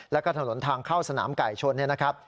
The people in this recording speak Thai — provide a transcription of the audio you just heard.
แล้วก็ถนนทางเข้าสนามไก่ชนเนี่ยนะครับ